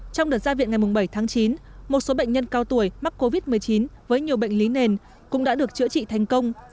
trong đợt ra viện ngày bảy tháng chín một số bệnh nhân cao tuổi mắc covid một mươi chín với nhiều bệnh lý nền cũng đã được chữa trị thành công